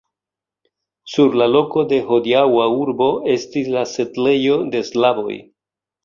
Sur la loko de hodiaŭa urbo estis la setlejo de slavoj.